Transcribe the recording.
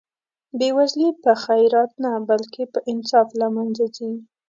بې وزلي په خیرات نه بلکې په انصاف له منځه ځي.